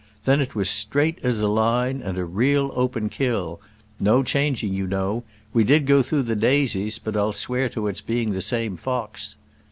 Then it was straight as a line, and a real open kill. No changing, you know. We did go through the Daisies, but I'll swear to its being the same fox."